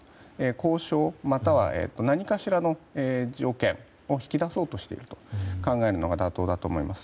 交渉、または何かしらの条件を引き出そうとしていると考えるのが妥当だと思います。